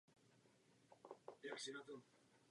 Vstupy osazeny jednoduchými kamennými portály.